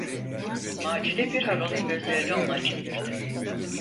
Macide bir aralık gözlerini ona çevirdi.